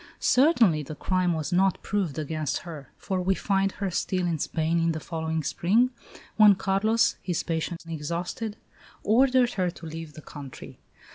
Certainly the crime was not proved against her; for we find her still in Spain in the following spring, when Carlos, his patience exhausted, ordered her to leave the country.